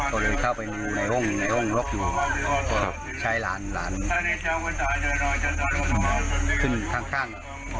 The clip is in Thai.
ก็เลยเข้าไปมองในห้องห้องรบอยู่ชายหลานหลานขึ้นทางข้าง